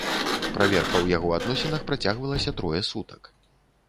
Праверка ў яго адносінах працягвалася трое сутак.